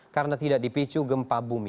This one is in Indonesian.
karena tidak dipicu gempa bumi